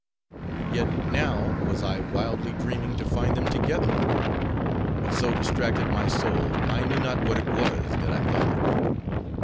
Yet now was I wildly dreaming to find them together. But so distracted my soul, I knew not what it was, that I thought.